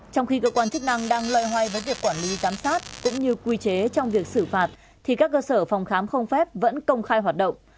trong khi cơ quan chức năng đang loay hoay với việc quản lý giám sát cũng như quy chế trong việc xử phạt thì các cơ sở phòng khám không phép vẫn công khai hoạt động